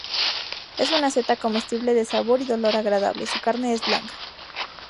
Es una seta comestible de sabor y de olor agradable, su carne es blanca.